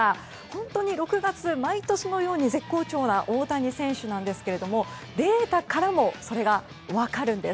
本当に６月、毎年のように絶好調な大谷選手なんですけどもデータからもそれが分かるんです。